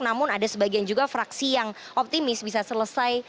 namun ada sebagian juga fraksi yang optimis bisa selesai